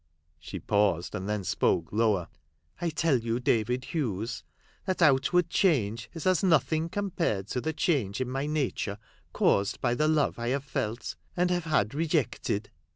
She paused, and then spoke lower. "I tell you, David Hughes, that outward change is as nothing compared to the change in my nature caused by the love I have felt — and have had rejected.